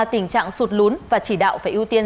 tình trạng sụt lún và chỉ đạo phải ưu tiên